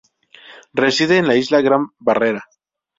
Reside en la isla Gran Barrera.